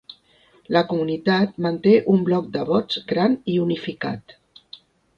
La comunitat manté un bloc de vots gran i unificat.